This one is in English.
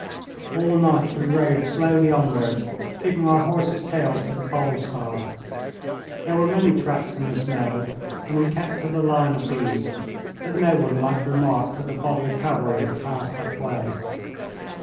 All night we rode slowly onward, keeping our horses' tails to the Pole Star. There were many tracks in the snow, and we kept to the line of these, that no one might remark that a body of cavalry had passed that way.